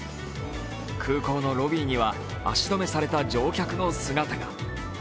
空港のロビーには足止めされた乗客の姿が。